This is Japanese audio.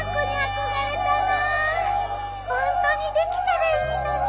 ホントにできたらいいのにね。